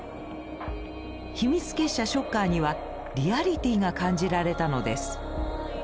秘密結社ショッカーにはリアリティーが感じられたのです。